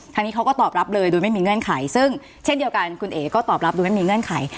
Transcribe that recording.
ทางนี้เขาก็ตอบรับเลยโดยไม่มีเงื่อนไขซึ่งเช่นเดียวกันคุณเอ๋ก็ตอบรับโดยไม่มีเงื่อนไข